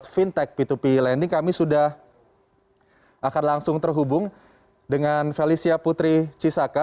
fintech p dua p lending kami sudah akan langsung terhubung dengan felicia putri cisaka